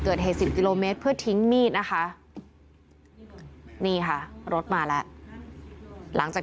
เกิดเหตุสิบกิโลเมตรเพื่อทิ้งมีดนะคะนี่ค่ะรถมาแล้วหลังจาก